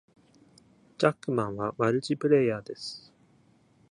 ジャックマンはマルチプレイヤーです。